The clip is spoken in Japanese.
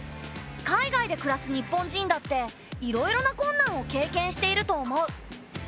海外で暮らす日本人だっていろいろな困難を経験していると思う。